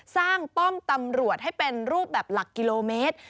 ป้อมตำรวจให้เป็นรูปแบบหลักกิโลเมตร